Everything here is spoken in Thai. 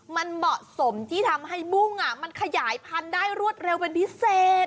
มันเหมาะสมที่ทำให้บุ้งมันขยายพันธุ์ได้รวดเร็วเป็นพิเศษ